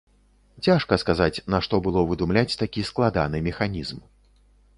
Цяжка сказаць, нашто было выдумляць такі складаны механізм.